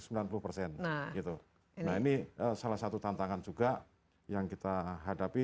nah ini salah satu tantangan juga yang kita hadapi